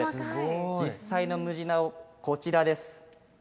実際のムジナモ、こちらです。